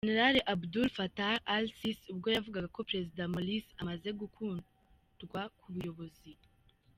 Gen Abdul Fattah Al-Sisi ubwo yavugaga ko Perezida Morsi amaze gukundwa ku buyobozi.